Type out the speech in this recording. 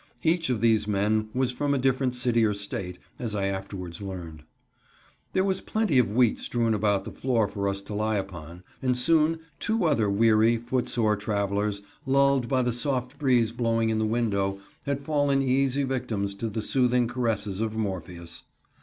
(Each of these men was from a different city or State, as I afterwards learned.) There was plenty of wheat strewn about the floor for us to lie upon, and soon two other weary, footsore travelers, lulled by the soft breeze blowing in the window, had fallen easy victims to the soothing caresses of Morpheus.